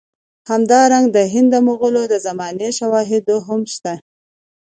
همدارنګه د هند د مغولو د زمانې شواهد هم شته.